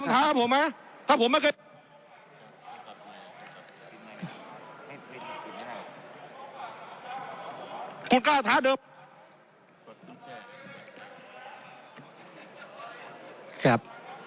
ท่านประธานครับ